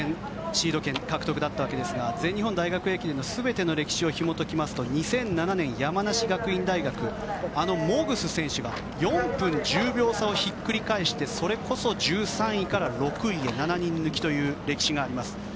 シード権獲得だったわけですが全日本大学駅伝の全ての歴史をひもときますと２００７年、山梨学院大学あのモグス選手が４分１０秒差をヒック返してそれこそ１３位から７位へ６人抜きという歴史があります。